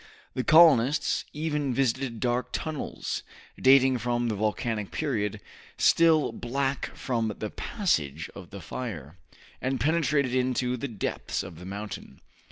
The colonists even visited dark tunnels, dating from the volcanic period, still black from the passage of the fire, and penetrated into the depths of the mountain.